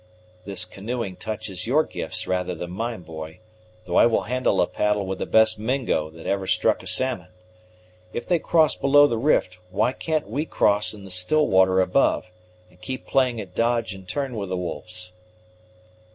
"This canoeing touches your gifts rather than mine, boy, though I will handle a paddle with the best Mingo that ever struck a salmon. If they cross below the rift, why can't we cross in the still water above, and keep playing at dodge and turn with the wolves?"